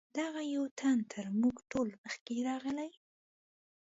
دغه یو تن تر موږ ټولو مخکې راغلی.